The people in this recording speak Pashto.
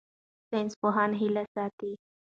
ساینسپوهان هیله ساتي.